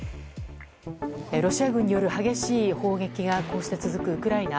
ロシア軍による激しい砲撃が続くウクライナ。